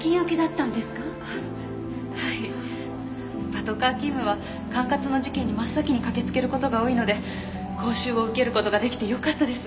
パトカー勤務は管轄の事件に真っ先に駆けつける事が多いので講習を受ける事が出来てよかったです。